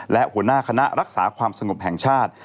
และหัวหน้าคณะรักษาความสงบแห่งชาติ